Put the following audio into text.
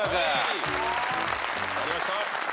やりました！